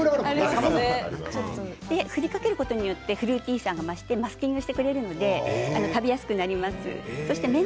振りかけることによってフルーティーさが増してマスキングしてくれるので食べやすくなります。